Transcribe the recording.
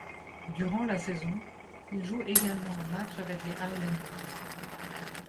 Durant la saison, il joue également un match avec les Islanders.